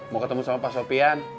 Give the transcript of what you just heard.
mau ketemu sama pak sofian